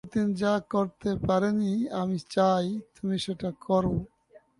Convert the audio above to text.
Rasputin যা করতে পারেনি, আমি চাই তুমি সেটা করো!